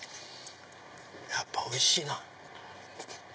やっぱおいしいな。